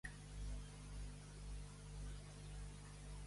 XIX, Bosch augmenta a favor de condemnar la participació de Catalunya.